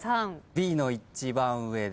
Ｂの一番上で。